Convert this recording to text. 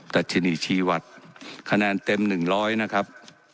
ดัชนีชีวัตรคะแนนเต็ม๑๐๐นะครับ